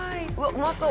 うまそう。